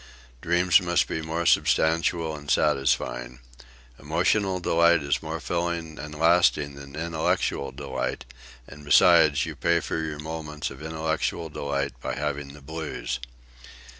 Dreams must be more substantial and satisfying. Emotional delight is more filling and lasting than intellectual delight; and, besides, you pay for your moments of intellectual delight by having the blues.